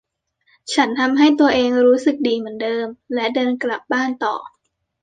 ฉันทำให้ตัวเองรู้สึกดีเหมือนเดิมและเดินกลับบ้านต่อ